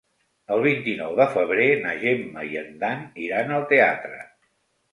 El vint-i-nou de febrer na Gemma i en Dan iran al teatre.